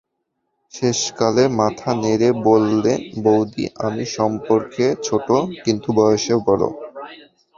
শেষকালে মাথা নেড়ে বললে, বউদি, আমি সম্পর্কে ছোটো, কিন্তু বয়সে বড়ো।